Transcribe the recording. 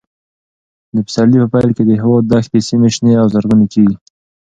د پسرلي په پیل کې د هېواد دښتي سیمې شنې او زرغونې کېږي.